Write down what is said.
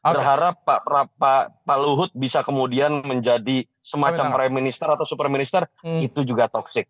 berharap pak luhut bisa kemudian menjadi semacam prime minister atau super minister itu juga toxic